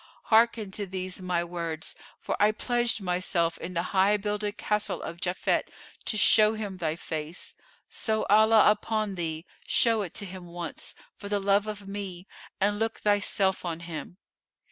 hearken to these my words for I pledged myself in the High builded Castle of Japhet, to show him thy face. So Allah upon thee, show it to him once, for the love of me, and look thyself on him!"